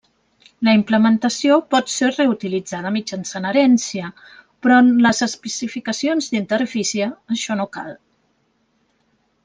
La implementació pot ser reutilitzada mitjançant herència però en les especificacions d'interfície això no cal.